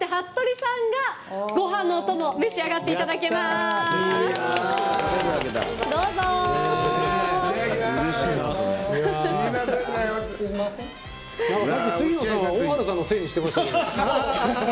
さっき杉野さんは大原さんのせいにしてましたけど。